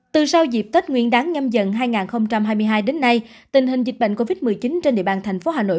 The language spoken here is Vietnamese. từ sau dịp tết nguyên đáng nhâm dần hai nghìn hai mươi hai đến nay tình hình dịch bệnh covid một mươi chín trên địa bàn thành phố hà nội